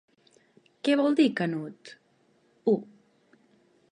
Què vol dir “Canut”?: u.